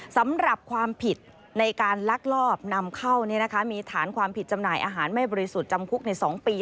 สำหรับความผิดในการลักลอบนำเข้ามีฐานความผิดจำหน่ายอาหารไม่บริสุทธิ์จำคุกใน๒ปี